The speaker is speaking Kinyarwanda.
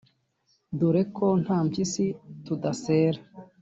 Dore ko nta mpyisi tudasera